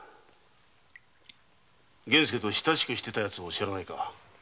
源助と親しくしていたやつを知らないか？